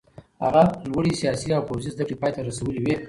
هغه لوړې سیاسي او پوځي زده کړې پای ته رسولې وې.